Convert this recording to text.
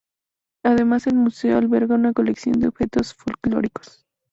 Además, el museo alberga una colección de objetos folclóricos.